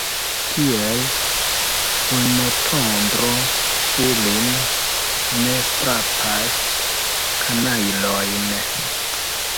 Kiel fulmotondro ilin ne frapas, kanajlojn!